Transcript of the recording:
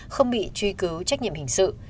không bị truy cứu trách nhiệm hình sự